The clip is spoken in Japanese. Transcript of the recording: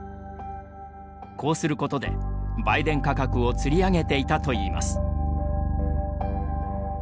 こうすることで、売電価格をつり上げていたといいます。